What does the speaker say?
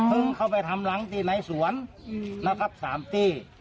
พึ่งเข้าไปทำหลังดินในสวนนะครับสามปี